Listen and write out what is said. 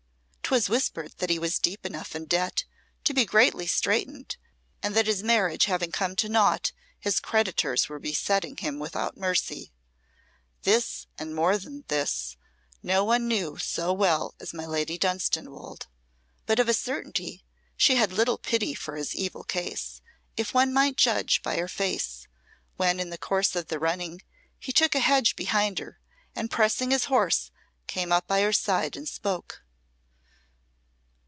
'Twas whispered that he was deep enough in debt to be greatly straitened, and that his marriage having come to naught his creditors were besetting him without mercy. This and more than this, no one knew so well as my Lady Dunstanwolde; but of a certainty she had little pity for his evil case, if one might judge by her face, when in the course of the running he took a hedge behind her, and pressing his horse, came up by her side and spoke.